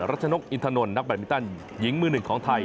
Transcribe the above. ชนกอินทนนท์นักแบตมินตันหญิงมือหนึ่งของไทย